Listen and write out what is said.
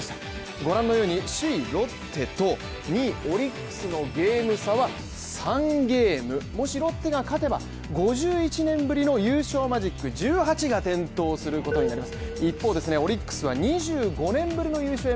ご覧のように首位ロッテと２位オリックスのゲーム差は３ゲームもしロッテが勝てば５１年ぶりの優勝マジック１８が点灯することになります。